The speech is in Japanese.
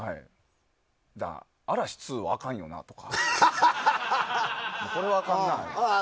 嵐２はあかんよなとか。